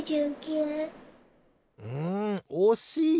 んおしい！